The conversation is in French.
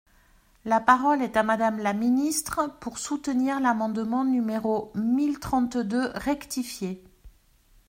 La parole est à Madame la ministre, pour soutenir l’amendement numéro mille trente-deux rectifié.